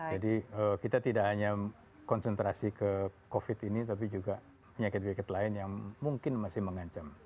jadi kita tidak hanya konsentrasi ke covid ini tapi juga penyakit penyakit lain yang mungkin masih mengancam